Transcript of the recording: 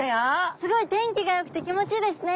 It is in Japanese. すごい天気がよくて気持ちいいですね。